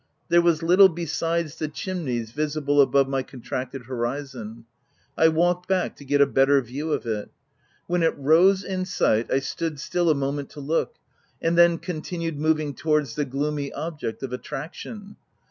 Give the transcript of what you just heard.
There was little besides the chimnies visible above my contracted horizon. I walked back to get a better view of it. When it rose in sight, I stood still a moment to look, and then continued moving towards the gloomy object of attraction.